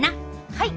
はい！